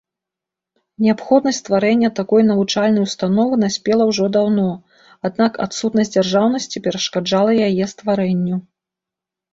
Неабходнасць стварэння такой навучальнай установы наспела ўжо даўно, аднак адсутнасць дзяржаўнасці перашкаджала яе стварэнні.